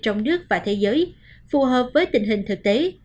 trong nước và thế giới phù hợp với tình hình thực tế